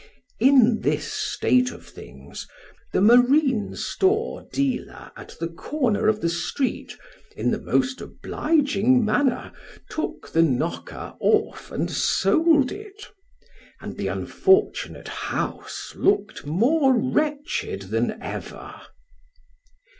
In this state of things, the marine store dealer at the corner of the street, in the most obliging manner took the knocker off, and sold it : and the unfortunate house looked more wretched than ever.